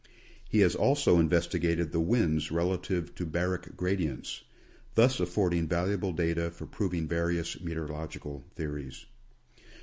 He has also investigated the winds relative to baric gradients, thus affording valuable data for proving various meteorological theories.